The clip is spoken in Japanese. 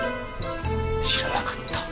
知らなかった。